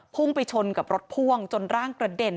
พุ่งไปชนกับรถพ่วงจนร่างกระเด็น